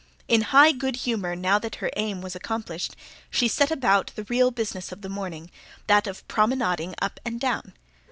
In high good humour now that her aim was accomplished, she set about the real business of the morning that of promenading up and down.